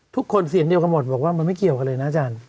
ทุกคนเสียงเดียวกันหมดบอกว่ามันไม่เกี่ยวกันเลยนะอาจารย์